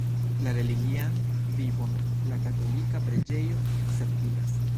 La religian vivon la katolika preĝejo certigas.